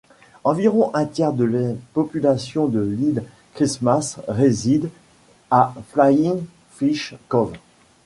Environ un tiers de la population de l'île Christmas réside à Flying Fish Cove.